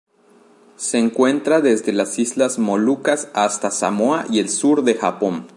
Se encuentra desde las Islas Molucas hasta Samoa y el sur del Japón.